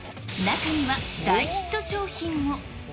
中には大ヒット商品も。